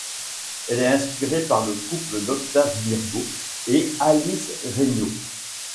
Elle est inspirée par le couple d'Octave Mirbeau et Alice Regnault.